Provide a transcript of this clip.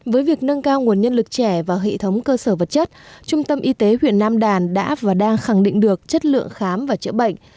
với việc nâng cao nguồn nhân lực trẻ và hệ thống cơ sở vật chất trung tâm y tế huyện nam đàn đã và đang khẳng định được chất lượng khám và chữa bệnh